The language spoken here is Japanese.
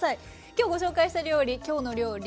今日ご紹介した料理「きょうの料理」